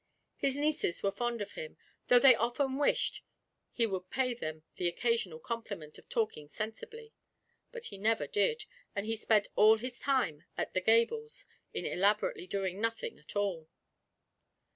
His nieces were fond of him, though they often wished he would pay them the occasional compliment of talking sensibly; but he never did, and he spent all his time at The Gables in elaborately doing nothing at all.